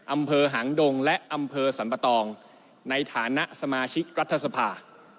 อำเภอหางดงและอำเภอสรรปะตองในฐานะสมาชิกรัฐสภา